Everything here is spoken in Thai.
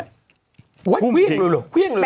แบบอย่างนี้ไง